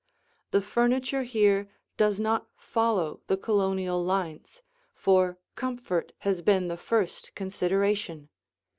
The furniture here does not follow the Colonial lines, for comfort has been the first consideration.